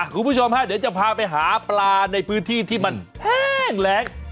คุณผู้ชมฮะเดี๋ยวจะพาไปหาปลาในพื้นที่ที่มันแห้งแรง